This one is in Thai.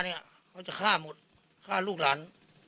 เนี่ยมันจะฆ่าหมดฆ่าลูกหลาน